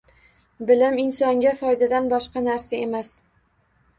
Bilim insonga foydadan boshqa narsa emas.